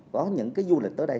có những cái du lịch tới đây